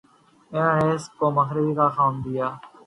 انہوں نے اس کو مخبری کا کام دے دیا